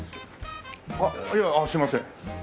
あっいやすみません。